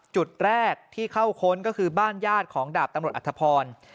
จุดแรกที่เข้าค้นก็คือบ้านญาติของดาบตำรวจอัธพร